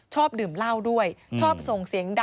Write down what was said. ชอบดื่มเหล้าด้วยชอบส่งเสียงดัง